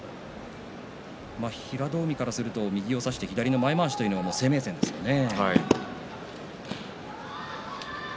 平戸海からすると右を差して左の前まわしというのが生命線ですよね。